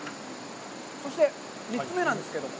そして、３つ目なんですけれども。